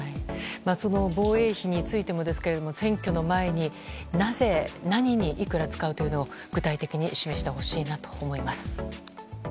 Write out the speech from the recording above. その防衛費についてもですが選挙の前になぜ、何にいくら使うというのを具体的に示してほしいなと思います。